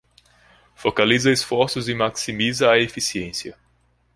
Focaliza esforços e maximiza a eficiência